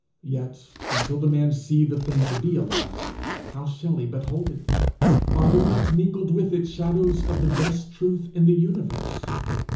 Yet until the man sees the thing to be a lie, how shall he but hold it! Are there not mingled with it shadows of the best truth in the universe?